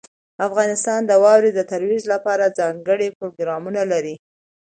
افغانستان د واورې د ترویج لپاره ځانګړي پروګرامونه لري.